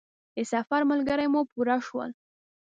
د سفر ملګري مو پوره شول.